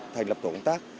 thành lập tổ công tác